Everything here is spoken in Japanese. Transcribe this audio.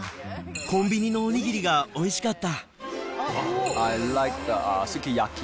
コンビニのおにぎりがおいしかった。